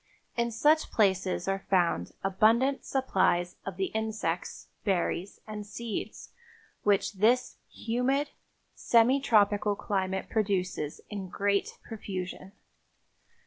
In such places are found abundant supplies of the insects, berries and seeds which this humid, semi tropical climate produces in great profusion.